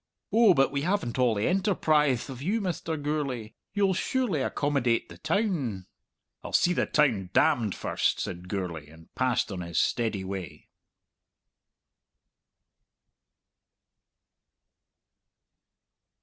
"Oh, but we haven't all the enterprithe of you, Mr. Gourlay. You'll surely accommodate the town!" "I'll see the town damned first," said Gourlay, and passed on his steady way.